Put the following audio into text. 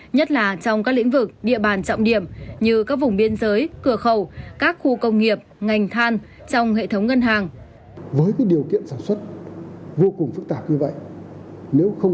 nhất là trong các lĩnh vực địa bàn trọng điểm như các vùng biên giới cửa khẩu các khu công nghiệp ngành than trong hệ thống ngân hàng